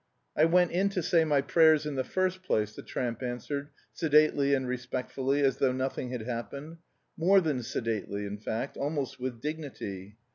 "I went in to say my prayers in the first place," the tramp answered, sedately and respectfully as though nothing had happened; more than sedately, in fact, almost with dignity.